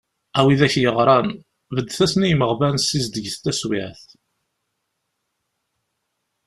A widak yeɣran, beddet-asen i yimeɣban, zizdeget taswiɛt.